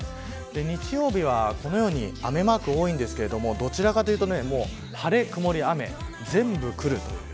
日曜日は、雨マーク多いですがどちらかというと、晴れ、曇、雨全部、くるという。